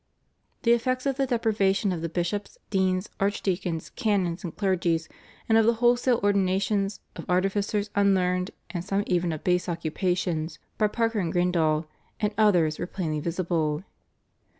The effects of the deprivation of the bishops, deans, archdeacons, canons, and clergy, and of the wholesale ordinations "of artificers unlearned and some even of base occupations" by Parker and Grindal and others were plainly visible.